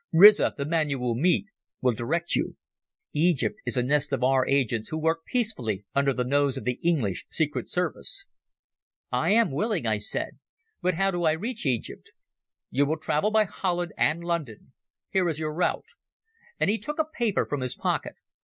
Riza, the man you will meet, will direct you. Egypt is a nest of our agents who work peacefully under the nose of the English Secret Service." "I am willing," I said. "But how do I reach Egypt?" "You will travel by Holland and London. Here is your route," and he took a paper from his pocket.